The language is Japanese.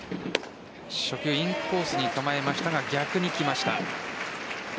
初球インコースに構えましたが逆にきました。